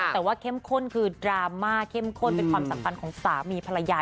แต่ว่าเข้มข้นคือดราม่าเข้มข้นเป็นความสัมพันธ์ของสามีภรรยา